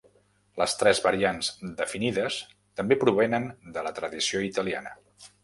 Les tres variants definides també provenen de la tradició italiana.